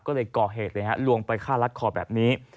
ก็เลยก่อเหตุเลยฮะลวงไปฆ่ารัดคอแบบนี้